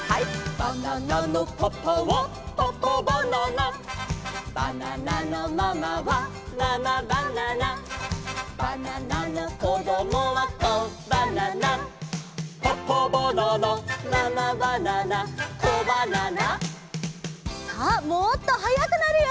「バナナのパパはパパバナナ」「バナナのママはママバナナ」「バナナのこどもはコバナナ」「パパバナナママバナナコバナナ」さあもっとはやくなるよ！